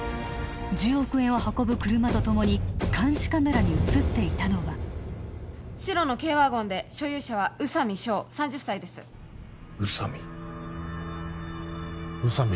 １０億円を運ぶ車とともに監視カメラに写っていたのは白の軽ワゴンで所有者は宇佐美翔３０歳です宇佐美宇佐美